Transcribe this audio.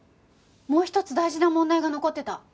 もう一つ大事な問題が残ってた。